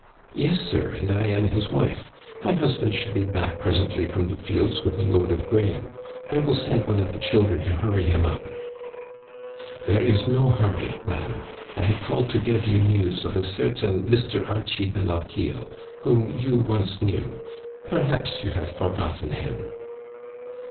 Yes, sir, and I am his wife. My husband should be back presently from the fields with a load of grain. I will send one of the children to hurry him up." " There is no hurry, madam. I have called to give you news of a certain Mr. Archie de Lochiel, whom you once knew. Perhaps you have forgotten him."